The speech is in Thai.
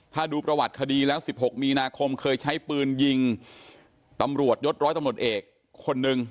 ถ้าดูประวัติคดีแล้ว๑๖มีนาคมเคยใช้ปืนยิงตำรวจยศร้อยตำรวจเอกคนหนึ่ง